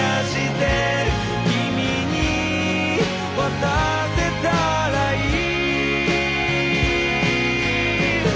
「君に渡せたらいい」